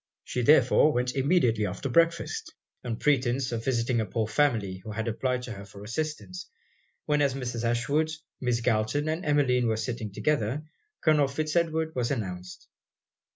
She therefore went immediately after breakfast, on pretence of visiting a poor family who had applied to her for assistance; when as Mrs. Ashwood, Miss Galton and Emmeline, were sitting together, Colonel Fitz Edward was announced.